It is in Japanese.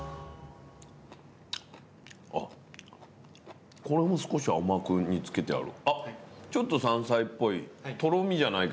あっこれも少し甘く煮つけてある。